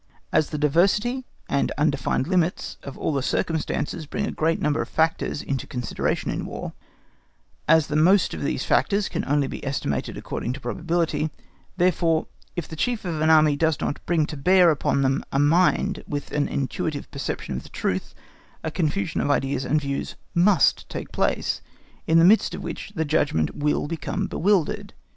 As the diversity, and undefined limits, of all the circumstances bring a great number of factors into consideration in War, as the most of these factors can only be estimated according to probability, therefore, if the Chief of an Army does not bring to bear upon them a mind with an intuitive perception of the truth, a confusion of ideas and views must take place, in the midst of which the judgment will become bewildered.